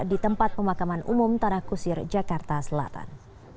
di tempat pemakaman umum tanah kusir jakarta selatan